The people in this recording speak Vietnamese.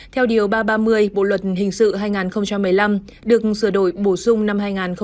theo điều ba trăm ba mươi bộ luật hình sự hai nghìn một mươi năm được sửa đổi bổ sung năm hai nghìn một mươi bảy